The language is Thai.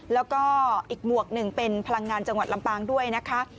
แล้วก็อีกหมวกหนึ่งเป็นพลังงานจังหวัดลำปางด้วยนะคะ